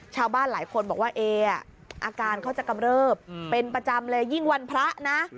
ชาวบ้านหลายคนบอกว่าเออาการเขาจะกำเริบเป็นประจำเลยยิ่งวันพระนะ